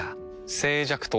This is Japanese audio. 静寂とは？